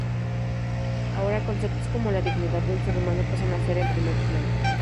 Ahora, conceptos como la dignidad del ser humano pasan a estar en primer plano.